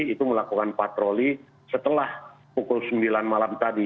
itu melakukan patroli setelah pukul sembilan malam tadi